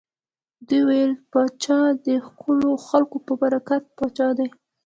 دوی ویل پاچا د خلکو په برکت پاچا دی.